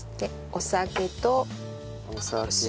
お酒と塩。